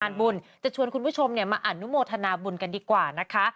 บุญจะชวนคุณผู้ชมมาอนุโมทนาบุญกันดีกว่านะคะ